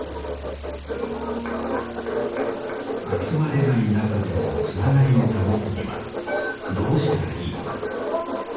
集まれない中でもつながりを保つにはどうしたらいいのか。